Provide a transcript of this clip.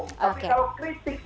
tapi kalau kritik tidak